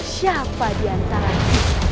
siapa diantara kita